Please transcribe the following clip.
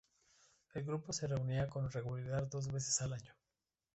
El grupo se reunía con regularidad dos veces al año.